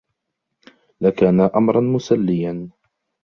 لكان أمرا مسليا.